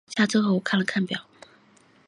下车后我看了看表